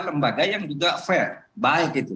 lembaga yang juga fair baik itu